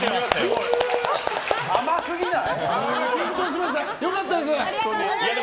甘すぎない？